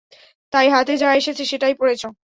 তাই হাতে যা এসেছে সেটাই পরেছে।